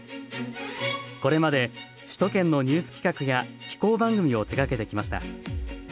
これまで首都圏のニュース企画や紀行番組を手がけてきました。